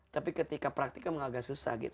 tapi ketika praktik emang agak susah gitu